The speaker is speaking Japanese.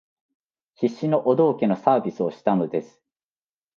必死のお道化のサービスをしたのです